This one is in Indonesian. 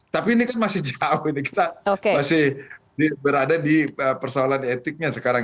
tapi ini kan masih jauh ini kita masih berada di persoalan etiknya sekarang